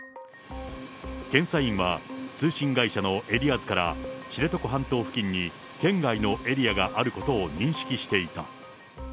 検査員は、通信会社のエリア図から、知床半島付近に圏外のエリアがあることを認識していた。